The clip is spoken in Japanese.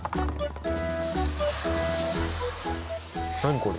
何これ？